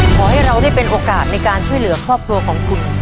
ขอให้เราได้เป็นโอกาสในการช่วยเหลือครอบครัวของคุณ